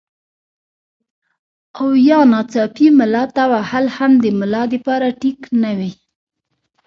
او يا ناڅاپي ملا تاوهل هم د ملا د پاره ټيک نۀ وي